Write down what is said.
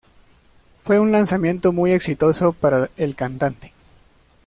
Fue un lanzamiento muy exitoso para el cantante.